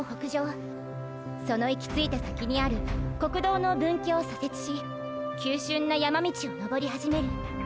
その行き着いた先にある国道の分岐を左折し急峻な山道を登り始める。